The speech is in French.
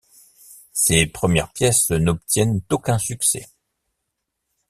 Ses premières pièces n’obtiennent aucun succès.